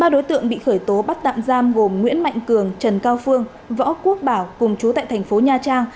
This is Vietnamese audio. ba đối tượng bị khởi tố bắt tạm giam gồm nguyễn mạnh cường trần cao phương võ quốc bảo cùng chú tại thành phố nha trang